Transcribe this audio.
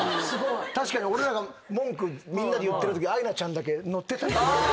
確かに俺らが文句みんなで言ってるときアイナちゃんだけ乗ってた。